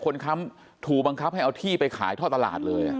ค้ำถูกบังคับให้เอาที่ไปขายท่อตลาดเลย